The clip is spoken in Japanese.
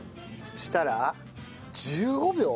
したら１５秒？